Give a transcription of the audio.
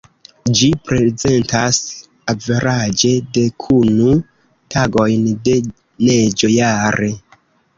Ĝi prezentas averaĝe, dekunu tagojn de neĝo jare.